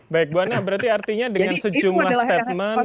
baik buwana berarti artinya dengan sejumlah statement